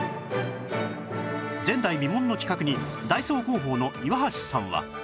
前代未聞の企画にダイソー広報の岩橋さんは